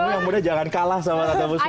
kamu yang mudah jangan kalah sama tante buswa